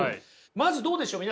まずどうでしょう？